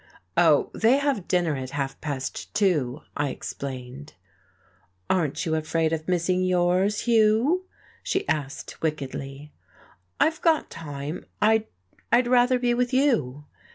"Oh, they have dinner at half past two," I explained. "Aren't you afraid of missing yours, Hugh?" she asked wickedly. "I've got time. I'd I'd rather be with you."